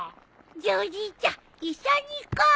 じゃあおじいちゃん一緒に行こう。